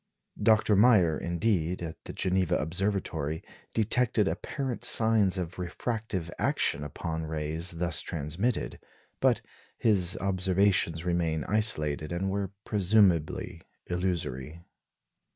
Dr. Meyer, indeed, at the Geneva Observatory, detected apparent signs of refractive action upon rays thus transmitted; but his observations remain isolated, and were presumably illusory.